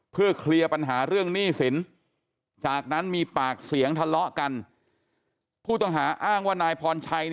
เพื่อเคลียร์ปัญหาเรื่องหนี้สินจากนั้นมีปากเสียงทะเลาะกันผู้ต้องหาอ้างว่านายพรชัย